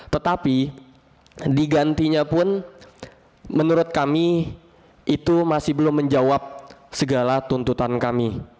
tetapi digantinya pun menurut kami itu masih belum menjawab segala tuntutan kami